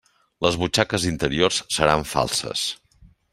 Les butxaques interiors seran falses.